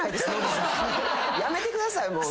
やめてください。